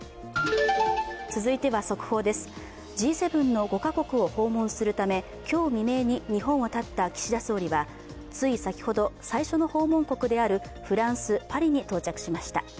続いては速報です、Ｇ７の５か国を訪問するため今日未明に日本をたった岸田総理はつい先ほど、最初の訪問国であるフランス・パリに到着しました。